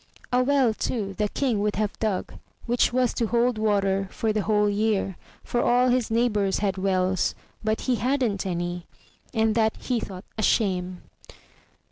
A well, too, the King would have dug, which was to hold water for the whole year; for all his neighbors had wells, but he hadn't any, and that he thought a shame.